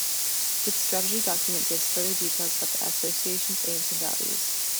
Its strategy document gives further details about the Association's aims and values.